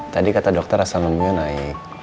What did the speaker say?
tadi kata dokter asam lembunya naik